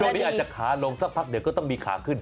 นี้อาจจะขาลงสักพักเดี๋ยวก็ต้องมีขาขึ้น